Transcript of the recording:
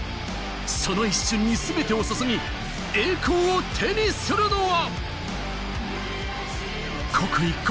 その一瞬にすべてを注ぎ、栄光を手にするのは。